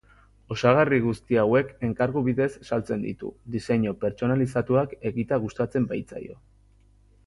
Osagarri guzti hauek enkargu bidez saltzen ditu, diseinu pertsonalizatuak egitea gustatzen baitzaio.